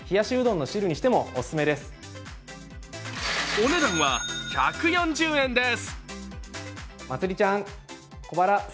お値段は１４０円です。